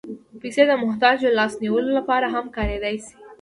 پېسې د محتاجو لاس نیولو لپاره هم کارېدای شي.